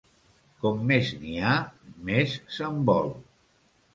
Com més n'hi ha, més se'n vol.